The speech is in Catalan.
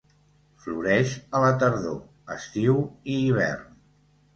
Floreix a la tardor, estiu i hivern.